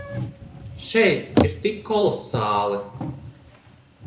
Šeit ir tik kolosāli.